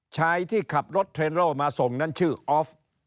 ชายที่ขับรถเทรนโลมาส่งนั้นชื่อออฟ